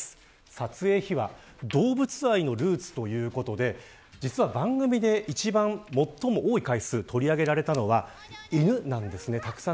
撮影秘話動物愛のルーツということで番組で一番最も多い回数を取り上げられたのが犬なんですね。